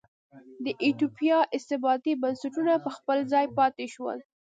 د ایتوپیا استبدادي بنسټونه په خپل ځای پاتې شول.